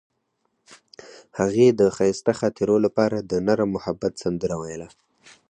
هغې د ښایسته خاطرو لپاره د نرم محبت سندره ویله.